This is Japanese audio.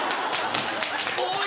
おい！